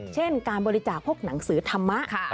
เช่นการบริจาคพวกหนังสือธรรมะ